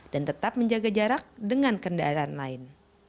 dan tetap menjaga jarak dengan kendaraan lain